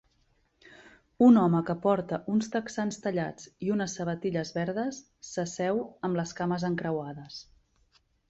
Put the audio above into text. Un home que porta uns texans tallats i unes sabatilles verdes s'asseu amb les cames encreuades.